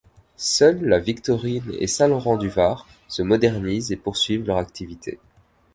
Seuls La Victorine et Saint-Laurent-du-Var se modernisent et poursuivent leur activité.